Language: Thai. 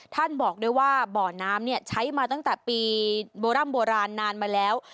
บอกด้วยว่าบ่อน้ำใช้มาตั้งแต่ปีโบร่ำโบราณนานมาแล้ว